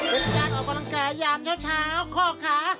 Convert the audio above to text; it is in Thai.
เป็นการออกกำลังกายยามเช้าข้อขา